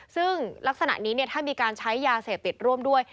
ซึ่งลักษณะนี้ถ้ามีการใช้ยาเสพติดร่วมด้วย